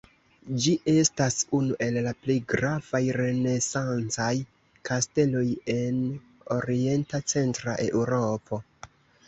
Ĝi estas unu el la plej gravaj renesancaj kasteloj en orienta centra Eŭropo.